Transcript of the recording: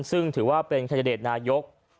ซึ่งถือว่าเป็นแคนดิเดตนายก